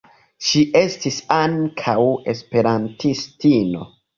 Ŝi estis ankaŭ esperantistino.